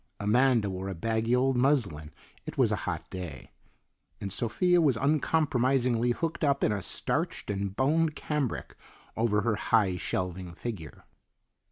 Amanda wore a baggy old muslin (it was a hot day), and Sophia was uncompromisingly hooked up in a starched and boned cambric over her high shelving figure.